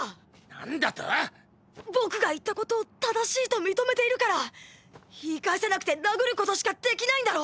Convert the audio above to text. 何だと⁉僕が言ったことを正しいと認めているから言い返せなくて殴ることしかできないんだろ？